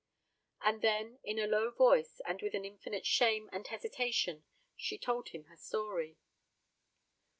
And then in a low voice, and with infinite shame and hesitation, she told him her story.